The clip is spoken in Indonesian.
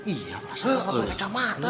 iya perasaan pakai kacamata